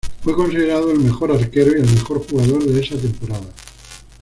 Fue considerado el mejor arquero y el mejor jugador de esa temporada.